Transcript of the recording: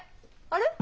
あれ？